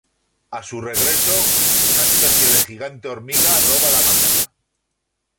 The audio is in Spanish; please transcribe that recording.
A su regreso, una especie de gigante hormiga roba la máquina.